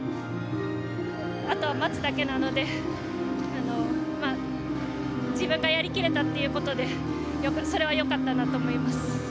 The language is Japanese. あとは待つだけなので自分がやり切れたということでそれは良かったなと思います。